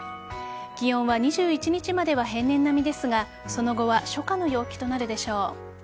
気温は２１日までは平年並みですがその後は初夏の陽気となるでしょう。